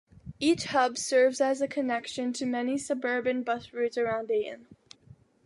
Each hub serves as a connection to many suburban bus routes around Dayton.